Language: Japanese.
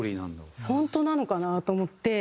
本当なのかな？と思って。